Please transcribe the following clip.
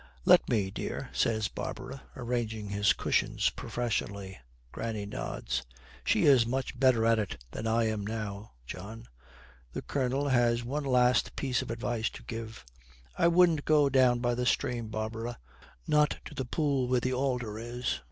'Let me, dear,' says Barbara, arranging his cushions professionally. Granny nods. 'She is much better at it than I am now, John.' The Colonel has one last piece of advice to give. 'I wouldn't go down by the stream, Barbara not to the pool where the alder is.